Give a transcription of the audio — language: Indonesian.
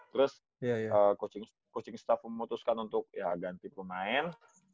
terus kucing staff memutuskan untuk ya ganti pemain